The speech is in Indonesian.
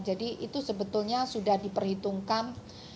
jadi itu sebetulnya sudah diperhitungkan